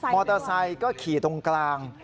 มอเตอร์ไซค์ก็ขี่ตรงกลาง